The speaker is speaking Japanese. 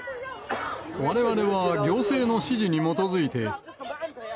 われわれは行政の指示に基づいて。